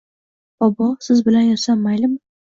Bobo, siz bilan yotsam maylimi?